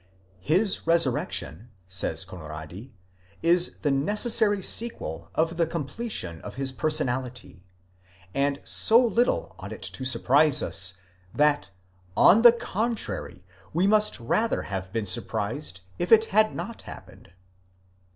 His resurrection, says Conradi,' is the necessary sequel of the completion of his personality, and so little ought it to surprise us, that, on the contrary, we must rather have been surprised if it had not happened.